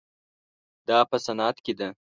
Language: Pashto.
دا په صنعت کې ده.